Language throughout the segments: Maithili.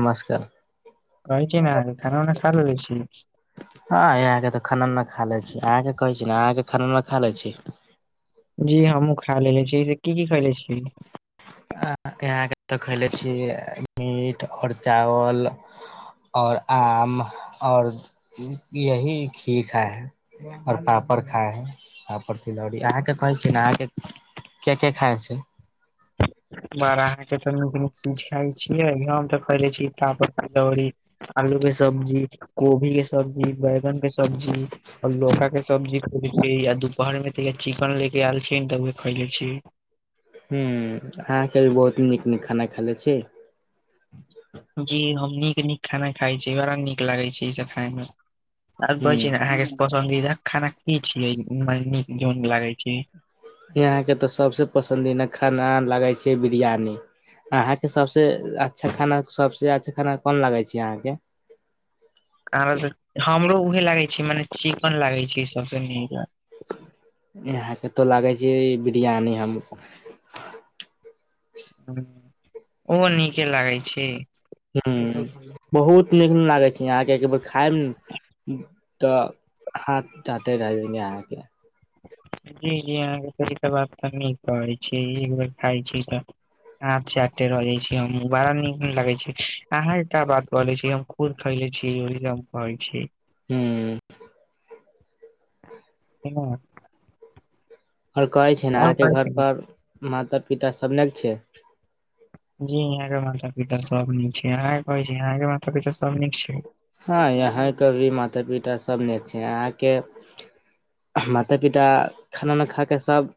नमस्कार कहै छि ना अहां के खाना उना खा लेने छीय हँ यहाँके तऽ खाना उना खा ले छी अहाँके कहै छी ने अहाँके खाना उना खा ले छी जी हमूँ खा लेलेे छियै से की की खैलने छियै अहाँके तऽ खइले छियै मीट ओर चावल और आम और यही खी खा है ओर पापड़ खाइ पापड़ तिलौरी अहाँके कहै छिय ने अहाँके के के खाय छय बारा अहाँ के तऽ नीक नीक चीज खाइ छियै हम तऽ खयले छी पापर तिलौरी आलू के सब्जी कोभी के सब्जी बैंगन के सब्जी आ लौका के दमजी खयले छी या दुपहर मे त ये चिकन ले के आयलथि त उहे खैले छी हूँ अहाँके भी बहुत नीक नीक खाना खयले छी जी हम नीक नीक खाना खाइ छी बड़ा नीक लागै छै ई सब खाय मे आ कहै छी ने अहाँके पसन्दीदा खाना की छियै नीक जौन लागे छै यहाँ केँ तऽ सबसे पसंदिदा खाना लागै छै बिरयानी अहाँकेँ सबसे अच्छा खाना सबसे अच्छा खाना कोन लागे छी अहाँकेँ [unintelligible] हमरो उहे लागे छै माने चिकन लागे छै सबसे नीक यहाँ केँ तो लागै छै बिरियानी हम हुँ ओहो नीके लागै छै हुँ बहुत नीक नऽ लागै छै यहाँ केँ एक बेर खाएब नु तऽ हाथ चाटे रह जेबै अहाँकेँ जी जी अहाँकेँ त बात तऽ निक कहै छी एक बेर खाइ छी तऽ हाथ चाटे रहै छी हम बड़ा नीक लगै छी अहाँकेँ का बात कहले छी हम खुद खाइले छी ओहि लऽ हम कहै छिये हूँ हँ आओर कहे छै नऽ अहाँ केँ कहै घर छी ने पर माता पिता सब निक छै जी यहाँ केँ माता पिता सब नीक छै अहाँ कऽ कहै छी अहाँ केँ माता पिता सब नीक छै हँ यहाँ केँ भी माता पिता सब निक छै अहाँकेँ माता पिता खाना उना खाकेँ सब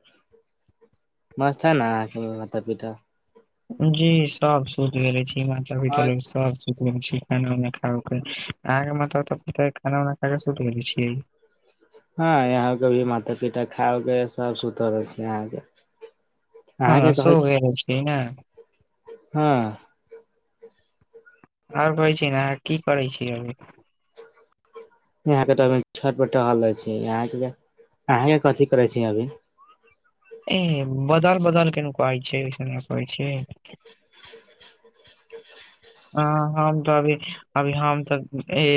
मस्त है न अहाँकेँ माता पीता जी सब सुत गेले छी माता पिता लोग सब सुत गेल छियै खाना उना खा उ कऽ अहाँ कऽ माता पिता तऽ खाना उना खा कऽ सुत गेल छिये हँ यहाँ केँ भी माता पिता खा उ केँ सब सुतल छै अहाँकेँ हँ सो गेल छी नऽ हँ आओर कहै छी नऽ अहाँ कि करै छी अभी अभि अहाँ केँ तऽ अभि हम छत पर टहल रहै छियै यहाँ केँ तऽ अहाँ केँ कथी करे छी अभी ए बदल बदल के नु कहै छै आइसे नऽ कहै छै [inaudible] अ हम तऽ अभी अभी हम तऽ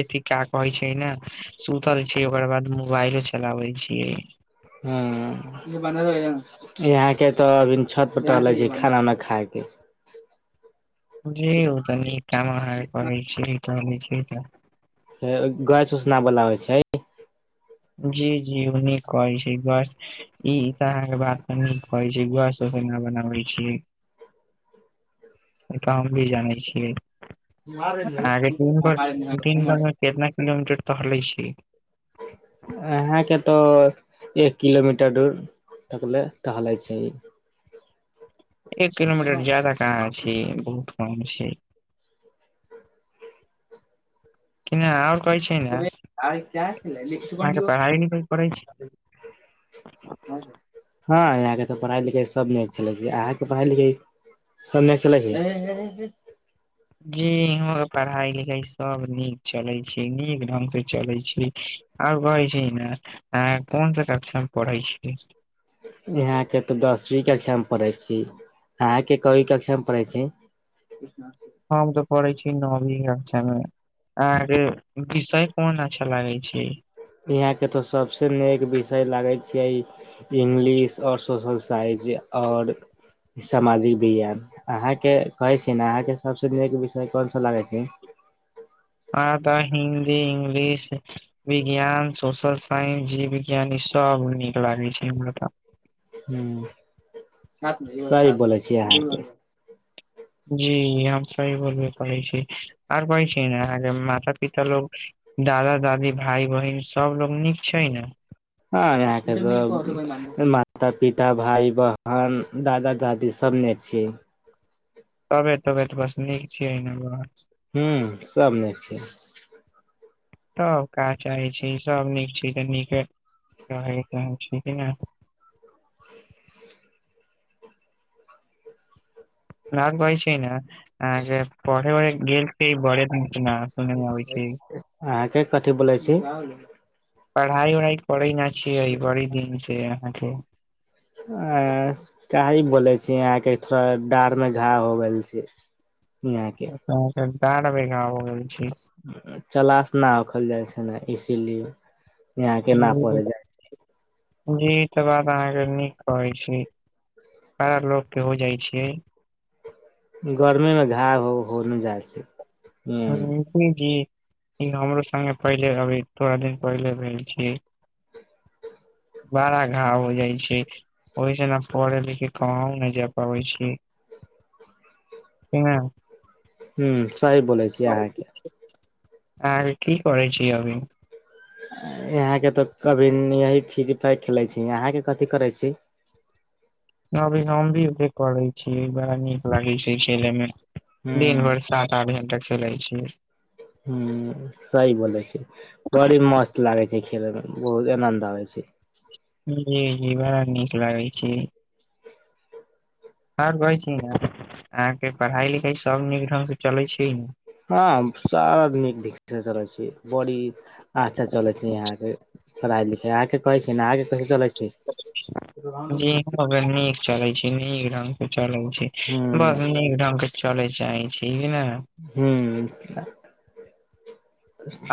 अथी का कहै छै नऽ सुतल छी ओकरा बाद मोबाइलो चलावे छियै हुँ जे बनाने रहियै जि अहाँकेँ तऽ अभी छत पर टहले छी खाना उना खा केँ जी उ तऽ नीक काम अहा केँ करै छी [unintelligible] छिये तऽ हे गैस उस नऽ बनाबई छैय। जी जी उ निक कहै छै बस। ई त अहाँ केँ बात तऽ नीक कहै छै गैस उस नऽ बनाबे छै ई तऽ हम भी जानै छियै अहाँकेँ दिन भर दिन भर मे कितना किलोमीटर टहले छी। अहाँकेँ के तो एक किलोमीटर दूर तकले टहले छी। एक किलोमीटर जदा कहाँ छै बहुत कम छै। कि नय आओर कहै छै नऽ अहाँ केँ पढ़ाइ लिखाइ करै छी [inaudible] हँ यहाँ केँ तऽ पढ़ाइ लिखाइ सभ निक चलै छै अहाँकेँ पढ़ाइ लिखाइ। सने चलै हियै जी इहमो केँ पढ़ाई लिखाई सब नीक चलै छै नीक ढंग से चलै छी। आओर कहै छै नऽ अहाँ कोन सा कक्षा मे पढ़ै छी यहाँ केँ तो दसवी कक्षा मे पढ़े छी अहाँकेँ कई कक्षा मे पढ़े छी। कृष्णा हम तऽ पढ़ै छी नमी अक्षा मे आहाँ के विषय कोन अच्छा लागै छै। यहाँ के तो सबसे नेक विषय लागै छीयै। इंग्लिश आओर सोशल साइंज आओर। सामाजिक विज्ञान अहाँके कहै छी न अहाँके सबसँ नीक विषय कोनसा लागै छै। आहाँ तऽ हिन्दी इंग्लिश। विज्ञान सोशल साइंज जीव विज्ञान ई सब नीक लागै छै हमरात हूँ सही बोलै छिय अहाँ जी हम सही बोलबे करै छी आर कहै छी न आहाँ के माता पिता लोग। दादा दादी भाय बहिन सबलोग नीक छै ने। हँ यहाँके सब माता पिता भाय बहन दादा दादी। सब ने छियै। तबे तबे तऽ बस नीक छियै बस हूँ सब निक छै। [inaudible] त काज चाहै छी सब नीक छै तऽ नीके रहै के छी कि ने। न कहै छी न अहा पढ़ै गेल छै बरे दिन नास। अहाँके कथी बोलै छी। पढ़ाइ उढ़ाय करे ना छिय बरि दिन से अहाँके। आँ काई बोले छी यहाँके थोड़ा डाढ़ मे घा हो गेल छै। नई आहाँ के तहन त डाड़ महीना भ गेल छै। चलाश ना उखल जाइ छै न इसीलिए। यहाँ के ना हूँ पड़े जाय जी ई तऽ बात अहाँके नीक कहै छी। [unintelligible] लोक के होजाय छै गर्मी मे झाव हो होने जाइ छै। ह [unintelligible] ई हमरो संगे पहिले अभी थोड़ा दिन पहिले भेल छीयै बड़ा घाव हो जाइ छै ओईस ने पढ़े लिखे कहाँ न जाय पाबै छी ह [unintelligible] हूँ सही बौलैय छै। आँ की कहै छी अभी। यहाँ के तो कभी नियाय फ्री फायर खेलै छी यहां के कथि करे छी। अभी हम भी उहे करै छीय बड़ा नीक लागै छै खेलै मे। ह दिन भरि सात आठ घंटा खेलै छीयै हूँ सही बोले छै बड़ी मस्त लागे छै खेले मे बहुत आनंद आबे छै जी जी बड़ा नीक लागै छै आर कहै छी न अहाँके पढ़ाइ लिखाइ सब नीक ढंग से चलै छै ने हँ सारा भी नीक चलै छी बड़ी अच्छा चलै छी आहाँ के पढ़इ लिखाइ आके कहै छी न आहाँ के कैसे चलै छै जी नीक चले छै नीक ढंग से चलै छै ह बस नीक ढंग के चलय चाही छी कि नै हूँ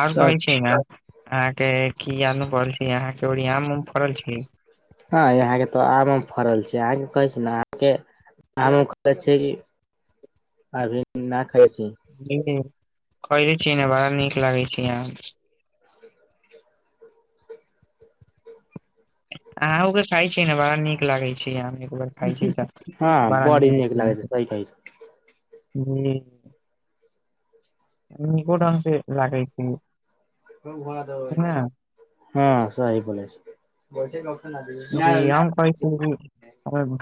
आओर कहै छी न अहाँके की यंग पड़ल छी अहाँके ओर आम फड़ल छी हँ यहाँ के तऽ आम फड़ल छै अहाँके कहै छी ने अहाँके आम [inaudible] उम खै छै अभी ना खइ ने छी [unintelligible] कइले छि न बड़ा नीक लागै छि अहां आहूँ के खााय छीयै ने बड़ा नीक लागे छै खइ छै त हँ बारा बड़ी नीक लागै निक छै सही कहै [inaudible] नीको ढंग से लागै छी [inaudible] हँ सही कहलै छै [inaudible] जी हम कहै छी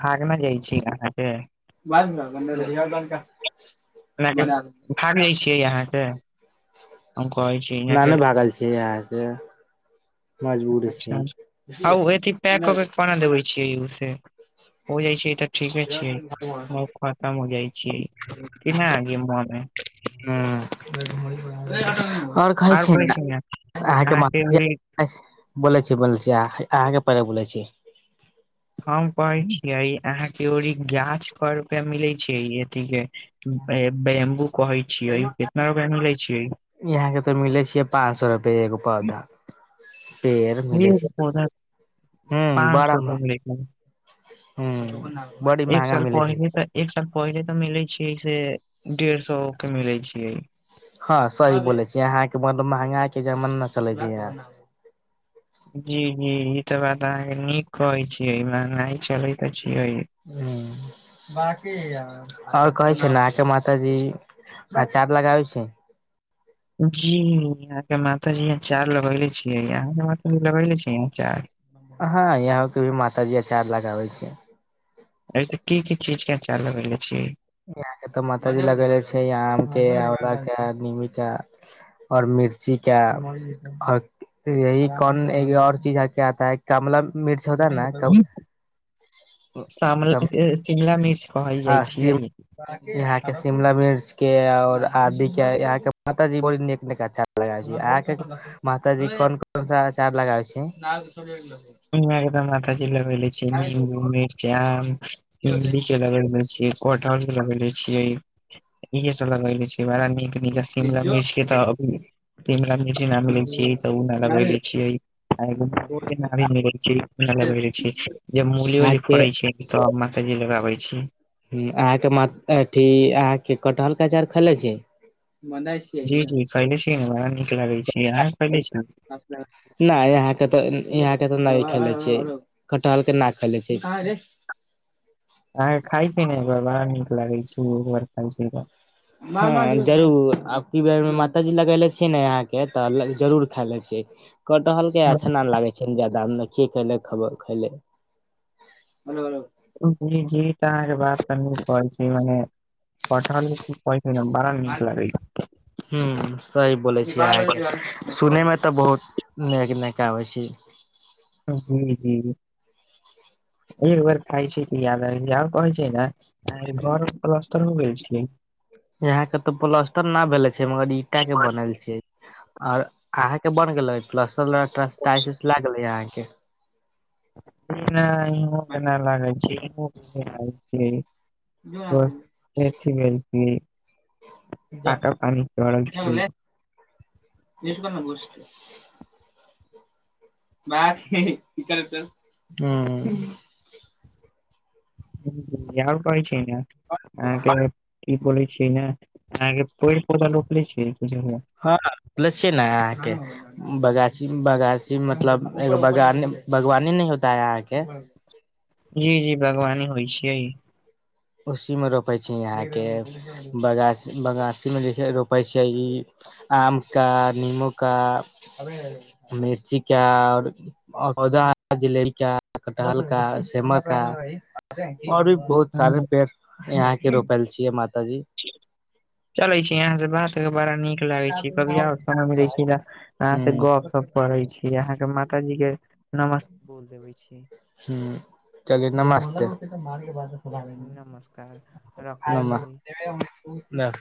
भागने जाइ छी अहाँके बाज [inaudible] भागै छियै यहाँ के हम कहै छी इहाँ के नानू भागल छियै यहाँ से [inaudible] मजबूरी छै अच्छा ओ अथिन पैक कऽ के कोना देबै छियै ओ से हो जाइ छै तऽ ठीके छै बहु खतम हो जाइ छीयै [inaudible] कि ना गी मोने [inaudible] ह और कहै छै ने अहाँके म बोलै छी बोलै छी अहाँके पेहले बोलै छी हम कहै छियै अहाँके ओरी गाछ पर मिलै छै एथ के बेमबू कहै छियै कितना रुप मे ले छिय यहां के तऽ मिले छियै पाँच सए रुपए एगो पौधा पेर मिल एक छै पौधा हूँ पाँच सौ बारामे रुपआ मिलै छै ह बड़ी एक महंगा साल मिलै छै पहिले तऽ एक साल पहले तऽ मिले छै से डेढ़ सए के मिले छीय हँ सही बोले छी यहाँके मतलब महंगा के जमाना चले छै यहा जी जी ई तऽ बात अहाँके नीक कहै छियै महंगाई चले त छियै हूँ बी और कहे छै नह के मात जी अचार लगाबै छी जी यहा के माता जी अचार लगेले छीयै यहा के म जी लगले छी ऐय अचार हँ यहां के भी माता जी अचार लगाबे छिय ऐत की की चीज के आचार लगेले छी यहाँ के तऽ माता जी लगेले छै य आम के आला के निम के और मिर्ची के [inaudible] यी कोन और चीज हके आता ह कमला मिर्च होता न [inaudible] शाम शिमला मिर्च कहल जाइ हँ छियै शिमला यहा के शिमला मिर्च के और आदि के यहा के माताजी बड़ी नीक नीक अचार आके माताजी कोन कोन सा अचार लगाबै छी इहाँ के तऽ माता जी लग लै छिय नीमबू मिरचा इमली के लगबै छिय कटहार लगेेले छियै इहे सब लगेले छी बड़ा नीक [inaudible] [inaudible] जब मूली अहाँ उली के फड़े छिये तब माता जी लगाबे छी अहाँ के अथि अहाँ के कटहल के अचाार खेनेछी कि जी जी खरले छीै ने बड़ा नीक लागैत छैय अह खइले छी नय यहाँके तऽ यहाँ के तऽ नय खइले छियै कटहल के ना खइले छियै अहाँके [unintelligible] ने बड़ा नीक लागैत छै [unintelligible] हं जरूर अब कि बैर माता जी लगेले छियै ने अहाँ के तऽ जरूर खाय ले छियई। कटहल के अच्छा न लागै छैय। [unintelligible] जी जी तऽ अहाँके बात [unintelligible] छी मने कठहल पकइत न बड़ा नीक लागै छैय। हं सही बोलै छैय छै अहाँके। सुनै मे तऽ बहुत नैग नैग आबै छैय। जी जी एक बार खाय छि कि याद आयब जएयेओर कहै छैय नैय। तैयघर पलस्तर भेल छियई यहाँ केँ ते प्लस्टर न भेले छैय मगर ईंटा के बनल छैय। और अहाँ के बन गेलेई प्लास्टर उल्सटर टायल्स लएग गेले अहाँ केँ। नाई भुख नाई लगई छैइय भुख नैइय [inaudible] [inaudible] मैंथ हेहे [inaudible] [inaudible] कि परहई छियाई पइरह त ऽ लैइछियाई ना [inaudible] बगासी बगासी मतलब ऐगो बान बागवानी नैय होता अहाँके। जी जी बागवानी होइ छियई। उसीमे रोपै छियै यहाँके बगासी बगासीमे रोपै छियै ई। आम का निंबु का मिर्ची का आओर। ओझा हेई जेलेबी का कटहल का सेमा का ओर भी बहुत सारे ह पेड़ यहां केँ रोपायल छियै माताजी। कैया लई छिई आँहासे बात कैया क अ क बड़ा निक। लागे छै कभी आओर समय मिले छैयतऽ अहाँ से हूं गप सप करे छिई। अहाँ के माताजी के नमस्ते बोल [inaudible] देवे छिये हूं चलि नमस्कार रखै छी नमस्ते। [inaudible]